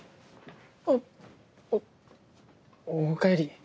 あっおおかえり。